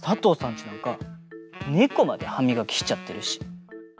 ちなんかねこまではみがきしちゃってるし。